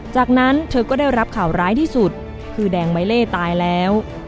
จากนั้นเธอก็ได้รับข่าวร้ายที่สุดคือแดงใบเล่ตายแล้ว